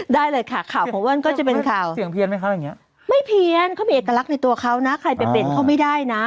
ได้เลยค่ะข่าวของว่านก็จะเป็นข่าวไม่เพียนเขามีเอกลักษณ์ในตัวเขานะใครเป็นเป็นเขาไม่ได้นะ